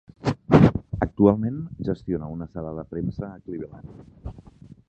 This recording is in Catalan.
Actualment gestiona una sala de premsa a Cleveland.